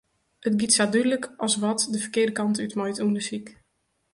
It giet sa dúdlik as wat de ferkearde kant út mei it ûndersyk.